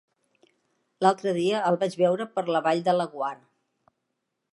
L'altre dia el vaig veure per la Vall de Laguar.